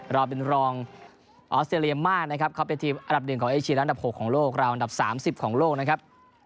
เราเป็นรองออสเตรเลียมากนะครับเขาเป็นทีมอันดับหนึ่งของเอเชียอันดับ๖ของโลกราวอันดับ๓๐ของโลกนะครับ